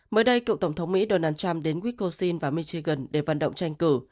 mới đây cựu tổng thống mỹ donald trump đến wiscosin và michigan để vận động tranh cử